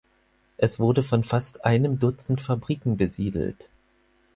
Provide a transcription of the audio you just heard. Es wurde von fast einem Dutzend Fabriken besiedelt.